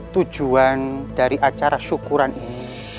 tujuan dari acara syukuran ini